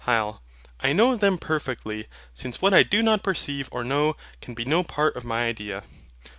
HYL. I know them perfectly; since what I do not perceive or know can be no part of my idea.